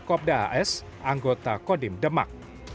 kopda as anggota kodim demak